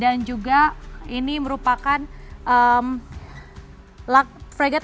dan juga ini merupakan kapal yang sangat berkualitas